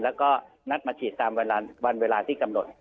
แล้วก็นัดมาฉีดตามวันเวลาที่กำหนด